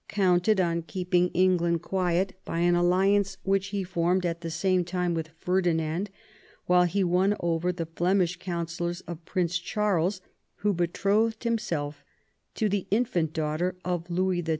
counted on keeping Engkhd quiet by an alliance which he formed at the same time with Ferdi nand, while he won over the Flemish counsellors of Prince Charles,, who betrothed himself to the infant daughter of Louis XII.